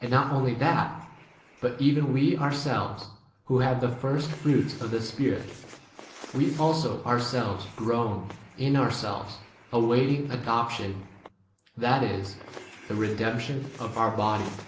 And not only [that], but even we ourselves, who have the first fruits of the Spirit, we also our selves groan in ourselves, await ing adoption, [that is] the redemp 2 * tion of our body.